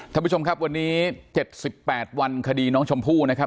ท่านผู้ชมครับวันนี้๗๘วันคดีน้องชมพู่นะครับ